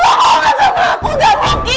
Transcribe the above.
hubungkan sama aku gak mungkin